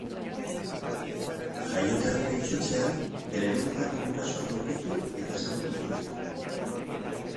Jaioterrira itzultzean, bere benetako gurasoak aurkitu eta ezagutuko ditu.